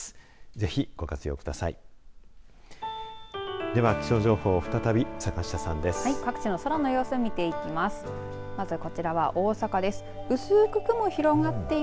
ぜひ、ご活用ください。